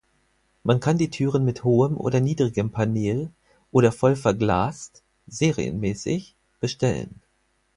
Man kann die Türen mit hohem oder niedrigem Paneel oder voll verglast (serienmäßig) bestellen.